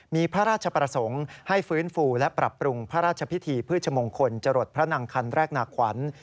มีพระราชประสงค์ให้ฟื้นฟูและปรับปรุงพระราชพิธีพืชมงคลจรดพระนางคันแรกนาขวัญ